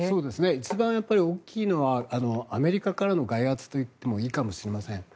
一番大きいのはアメリカからの外圧と言ってもいいかもしれません。